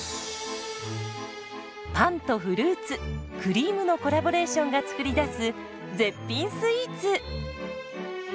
パンとフルーツクリームのコラボレーションが作り出す絶品スイーツ。